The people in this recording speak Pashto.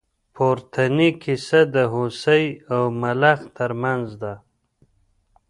پورتنۍ کیسه د هوسۍ او ملخ تر منځ ده.